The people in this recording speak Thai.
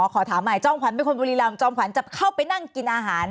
ขอถามใหม่จ้องขวัญเป็นคนบุรีรำจอมขวัญจะเข้าไปนั่งกินอาหาร